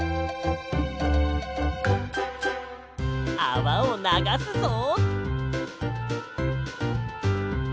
あわをながすぞ。